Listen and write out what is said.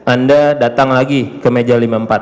anda datang lagi ke meja lima puluh empat